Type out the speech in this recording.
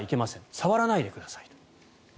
触らないでくださいと。